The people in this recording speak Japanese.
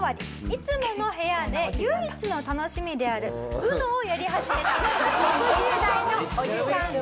いつもの部屋で唯一の楽しみであるＵＮＯをやり始めた６０代のおじさん５人。